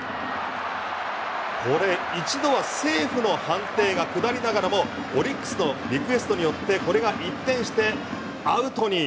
これ、一度はセーフの判定が下りながらもオリックスのリクエストによってこれが一転して、アウトに。